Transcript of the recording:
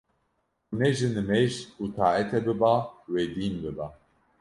ku ne ji nimêj û taetê biba wê dîn biba